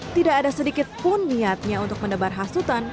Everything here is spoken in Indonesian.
tidak ada sedikitpun niatnya untuk mendebar hasutan